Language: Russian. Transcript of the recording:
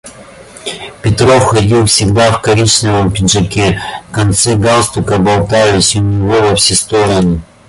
Петров ходил всегда в коричневом пиджаке, концы галстука болтались у него во все стороны.